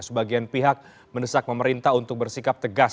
sebagian pihak mendesak pemerintah untuk bersikap tegas